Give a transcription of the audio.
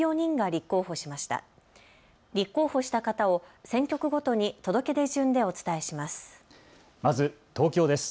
立候補した方を選挙区ごとに届け出順でお伝えします。